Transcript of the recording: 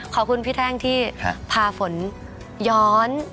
ขอบคุณพี่แท่งที่พาฝนย้อน